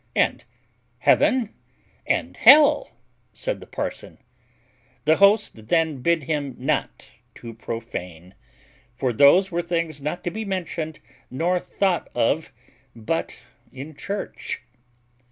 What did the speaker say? "And heaven and hell?" said the parson. The host then bid him "not to profane; for those were things not to be mentioned nor thought of but in church."